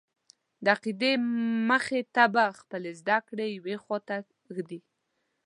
د عقیدې مخې ته به خپلې زده کړې یوې خواته ږدې.